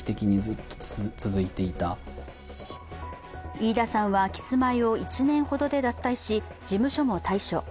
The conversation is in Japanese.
飯田さんはキスマイを１年ほどで脱退し事務所も退所。